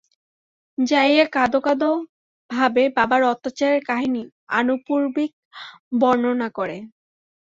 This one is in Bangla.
যাইয়া কঁদো কাদো ভাবে বাবার অত্যাচারের কাহিনী আনুপূর্বিক বর্ণনা করে।